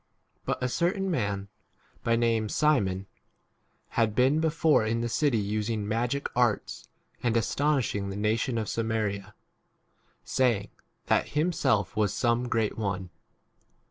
9 But a certain man, by name Simon, had been before in the city using magic arts and astonishing the nation of Samaria, saying, that himself was some great one.